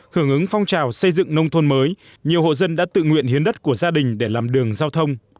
hưởng ứng phong trào xây dựng nông thôn mới nhiều hộ dân đã tự nguyện hiến đất của gia đình để làm đường giao thông